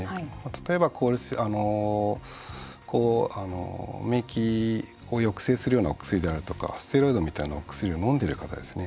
例えば免疫を抑制するようなお薬ですとかステロイドみたいなお薬を飲んでいる方ですね。